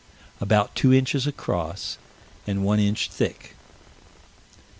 About two inches across, and one inch thick.